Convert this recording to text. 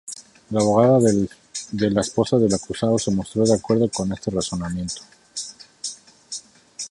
La abogada de la esposa del acusado se mostró de acuerdo con este razonamiento.